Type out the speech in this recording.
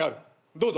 どうぞ。